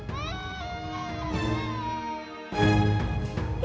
pakai tangan pakai kaki